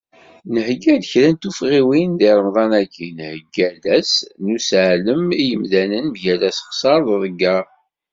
Nhegga-d kra n tufɣiwin, di Remḍa-agi, nhegga-d ass n useɛlem i yimdanen mgal asexser d uḍegger.